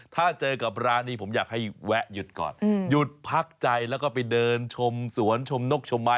ถ้าเจอกับร้านนี้ผมอยากให้แวะหยุดก่อนหยุดพักใจแล้วก็ไปเดินชมสวนชมนกชมไม้